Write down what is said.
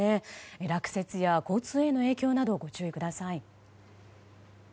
落雪や交通への影響などご注意ください。